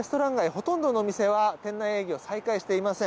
ほとんどのお店は店内営業再開していません。